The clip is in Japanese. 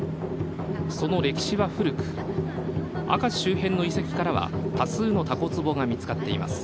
その歴史は古く明石周辺の遺跡からは多数のたこつぼが見つかっています。